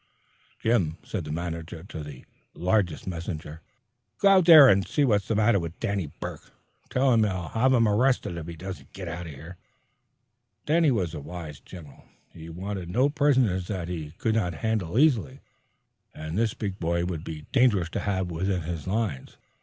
"Jim," said the manager to the largest messenger, "go out there and see what's the matter with Danny Burke. Tell him I'll have him arrested if he doesn't get out." Danny was a wise general. He wanted no prisoners that he could not handle easily, and this big boy would be dangerous to have within his lines.